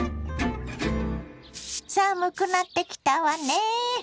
寒くなってきたわね。